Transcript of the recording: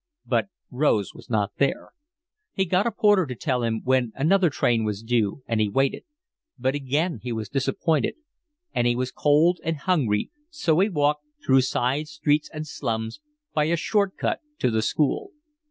But Rose was not there. He got a porter to tell him when another train was due, and he waited; but again he was disappointed; and he was cold and hungry, so he walked, through side streets and slums, by a short cut to the school.